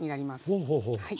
ほうほうほうはい。